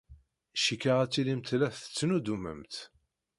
Cikkeɣ ad tilimt la tettnuddumemt.